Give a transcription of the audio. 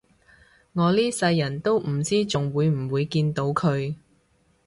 我呢世人都唔知仲會唔會見到佢